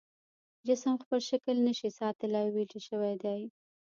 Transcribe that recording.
جسم خپل شکل نشي ساتلی او ویلې شوی دی.